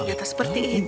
ternyata seperti itu